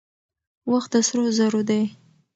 وخت د سرو زرو دی.